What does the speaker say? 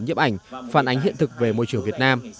nhiếp ảnh phản ánh hiện thực về môi trường việt nam